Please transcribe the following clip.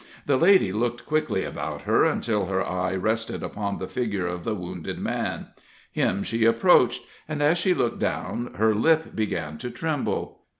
The lady looked quickly about her, until her eye rested upon the figure of the wounded man; him she approached, and as she looked down her lip began to tremble.